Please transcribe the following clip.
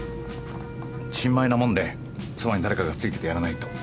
新米なもんでそばにだれかが付いててやらないと。